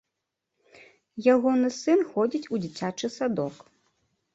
Ягоны сын ходзіць у дзіцячы садок.